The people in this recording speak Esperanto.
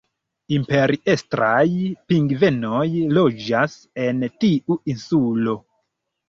Imperiestraj pingvenoj loĝas en tiu insulo.